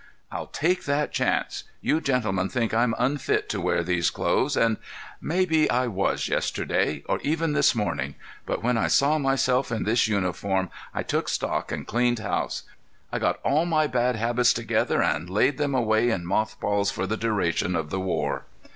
"I'll take that chance. You gentlemen think I'm unfit to wear these clothes and—maybe I was yesterday, or even this morning. But when I saw myself in this uniform I took stock and cleaned house. I got all my bad habits together and laid them away in moth balls for the duration of the war."